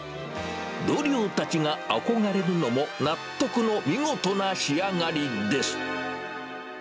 同僚たちが憧れるのも納得の見事な仕上がりです。